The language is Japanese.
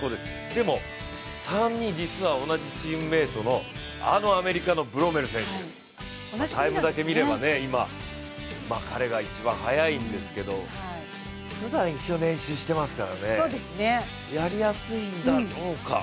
でも、３に実は同じチームメートのアメリカのブロメル選手、タイムだけ見れば、彼が今一番速いんですが、ふだん一緒に練習していますから、やりやすいんだろうか。